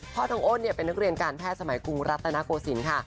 พ่อทองโอนเป็นนักเรียนการแพทย์สมัยกรุงรัฐตนโกสินค่ะ